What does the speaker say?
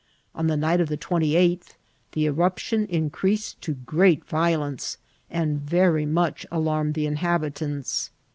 On the night of the 28th the eruption increased to great violence, and very much alarmed the inhabitants.